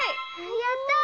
やったぁ！